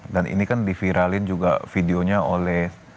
dan ini kan diviralin juga videonya oleh